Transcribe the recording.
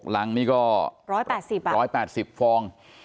๖ลัง๑๘๐ฟอง